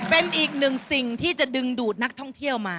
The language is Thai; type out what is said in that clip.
เป็นอีกหนึ่งสิ่งที่จะดึงดูดนักท่องเที่ยวมา